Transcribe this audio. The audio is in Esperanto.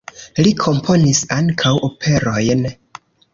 Li komponis ankaŭ operojn.